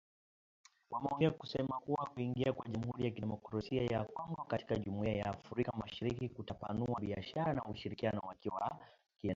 Wameongeza kusema kuwa kuingia kwa Jamhuri ya Kidemokrasia ya Kongo katika Jumuiya ya Afrika Mashariki kutapanua biashara na ushirikiano wa kieneo